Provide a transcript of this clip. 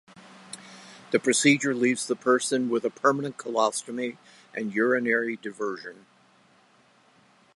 The procedure leaves the person with a permanent colostomy and urinary diversion.